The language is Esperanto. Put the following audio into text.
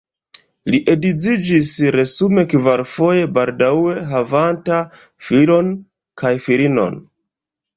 Li edziĝis resume kvarfoje, baldaŭe havanta filon kaj filinon.